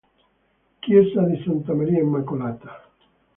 Chiesa di Santa Maria Immacolata